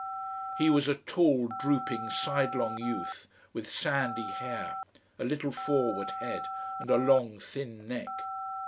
He was a tall, drooping, sidelong youth with sandy hair, a little forward head, and a long thin neck.